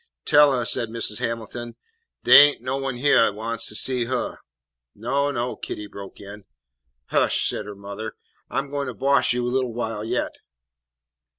"Tell huh," said Mrs. Hamilton, "dat dey ain't no one hyeah wants to see huh." "No, no," Kitty broke in. "Heish," said her mother; "I 'm goin' to boss you a little while yit."